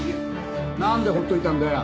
なんでほっといたんだよ？